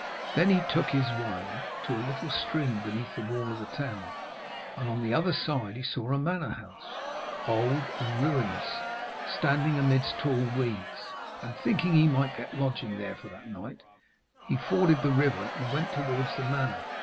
Then he took his way to a little stream beneath the wall of the town, and on the other side he saw a manor house, old and ruinous, standing amidst tall weeds. And thinking he might get lodging there for that night, he forded the river and went towards the manor.